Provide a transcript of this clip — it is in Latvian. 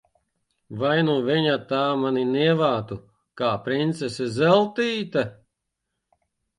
Vai nu viņa tā mani nievātu, kā princese Zeltīte!